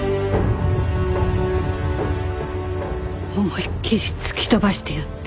思いっきり突き飛ばしてやった。